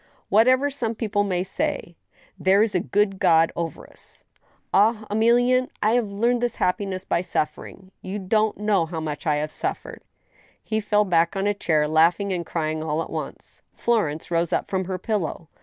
Whatever some people may say, there is a good God over us. ... Ah, Emilienne ! I have earned this happiness by suffering. You don't know how much I have suf ered !" He fell back on a chair, laughing and crying all at once. Florence rose up from her pillow.